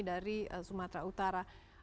dari sumatera utara